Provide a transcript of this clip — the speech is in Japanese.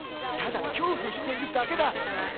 ただ恐怖しているだけだ。